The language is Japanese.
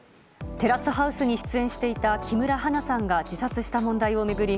「テラスハウス」に出演していた木村花さんが自殺した問題を巡り